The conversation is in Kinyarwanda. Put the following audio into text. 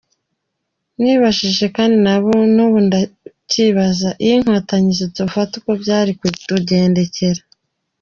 Nibajije kandi na n’ubu ndakibaza iyo Inkotanyi zidufata uko byari kutugendekera……